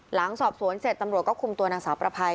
หลังสอบสวนเสร็จตำรวจก็คุมตัวนางสาวประภัย